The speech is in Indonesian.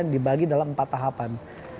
dibagi dalam empat tahapan